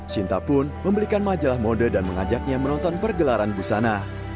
sinta pun membelikan majalah mode dan mengajaknya menonton pergelaran busana